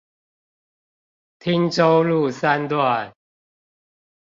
汀州路三段